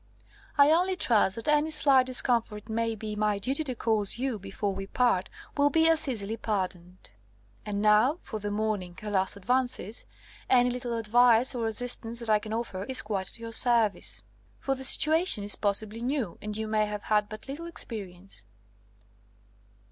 "I only trust that any slight discomfort it may be my duty to cause you before we part will be as easily pardoned. And now for the morning, alas! advances any little advice or assistance that I can offer is quite at your service; for the situation is possibly new, and you may have had but little experience."